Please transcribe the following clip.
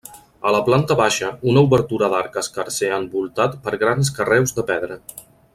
A la planta baixa, una obertura d'arc escarser envoltat per grans carreus de pedra.